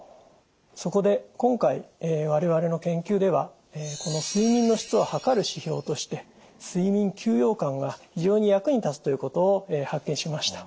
そこで今回我々の研究ではこの睡眠の質をはかる指標として睡眠休養感が非常に役に立つということを発見しました。